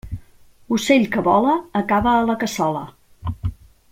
Ocell que vola, acaba a la cassola.